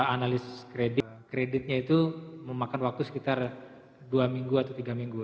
analis kreditnya itu memakan waktu sekitar dua minggu atau tiga minggu